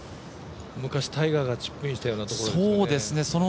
昔タイガーがチップインしたようなところですね。